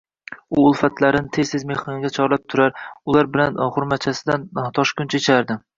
U ulfatlarini tez-tez mehmonga chorlab turar, ular bilan xurmachasidan toshgunicha ichardi